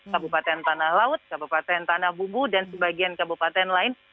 kabupaten tanah laut kabupaten tanah bumbu dan sebagian kabupaten lain